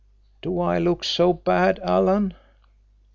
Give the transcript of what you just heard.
Do I look so bad, Alan?"